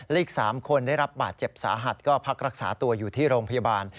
อีก๓คนได้รับบาดเจ็บสาหัสก็พักรักษาตัวอยู่ที่โรงพยาบาล